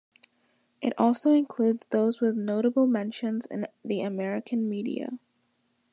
It also includes those with notable mentions in the American media.